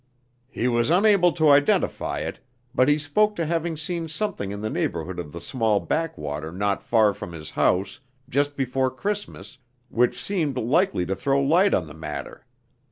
"He was unable to identify it, but he spoke to having seen something in the neighbourhood of the small backwater not far from his house, just before Christmas, which seemed likely to throw light on the matter.